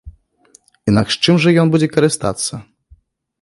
Інакш чым жа ён будзе карыстацца?